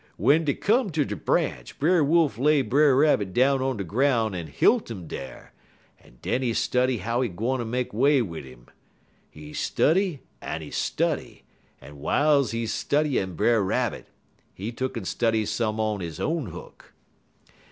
W'en dey come ter de branch, Brer Wolf lay Brer Rabbit down on de groun' en hilt 'im dar, en den he study how he gwine make way wid 'im. He study en he study, en w'iles he studyin' Brer Rabbit, he tuck'n study some on he own hook.